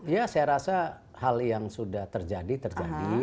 ya saya rasa hal yang sudah terjadi terjadi